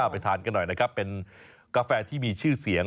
ไปทานกันหน่อยนะครับเป็นกาแฟที่มีชื่อเสียง